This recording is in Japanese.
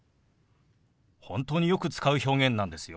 本当によく使う表現なんですよ。